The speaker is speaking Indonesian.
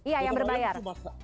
iya yang berbayar